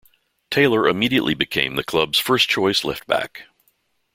Taylor immediately became the club's first-choice left-back.